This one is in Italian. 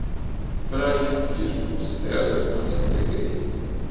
Brian Firkus è apertamente gay.